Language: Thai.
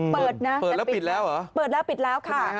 เปิดนะเปิดแล้วปิดแล้วเหรอเปิดแล้วปิดแล้วค่ะ